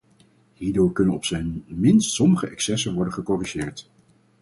Hierdoor kunnen op zijn minst sommige excessen worden gecorrigeerd.